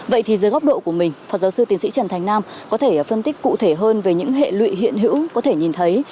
vậy thì dưới góc độ của mình phó giáo sư tiến sĩ trần thành nam có thể phân tích cụ thể hơn về những hệ lụy hiện hữu có thể nhìn thấy